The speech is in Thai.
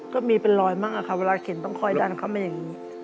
ก็มีเป็นรอยมากค่ะเวลาเข็นต้องคอยดันเข้ามาอย่างนี้